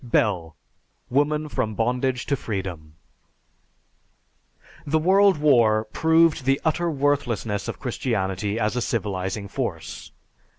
(Bell: "Woman from Bondage to Freedom.") The World War proved the utter worthlessness of Christianity as a civilizing force.